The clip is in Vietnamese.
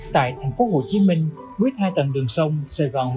tại tp hcm với hai tầng đường sông sài gòn river